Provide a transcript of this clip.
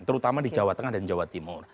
terutama di jawa tengah dan jawa timur